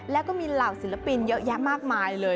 แล้วก็มีเหล่าศิลปินเยอะแยะมากมายเลย